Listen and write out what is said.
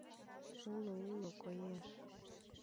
— Уло, уло, коеш!